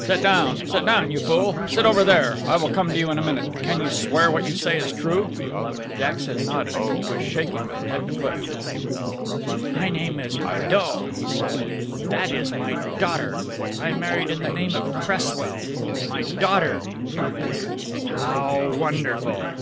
"Sit down, sit down, you fool! Sit over there. I will come to you in a minute. Can you swear what you say is true?" Jackson nodded. He was shaking from head to foot. "My name is Prédeaux," he said; "that is my daughter I married in the name of Cresswell. My daughter," he repeated. "How wonderful!"